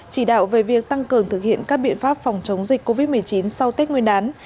chỉ đạo về việc tăng cường thực hiện các biện pháp phòng chống dịch covid một mươi chín sau tết nguyên đán